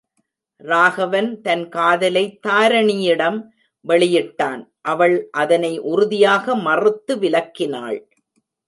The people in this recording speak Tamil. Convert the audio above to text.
ராகவன் தன் காதலை தாரிணியிடம் வெளியிட்டான் அவள் அதனை உறுதியாக மறுத்துவிலக்கினாள்.